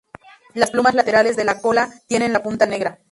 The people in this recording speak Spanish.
Las plumas laterales de la cola tienen la punta negra.